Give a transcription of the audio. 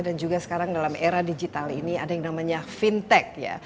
dan juga sekarang dalam era digital ini ada yang namanya fintech ya